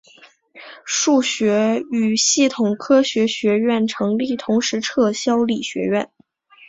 数学与系统科学学院成立同时撤销理学院。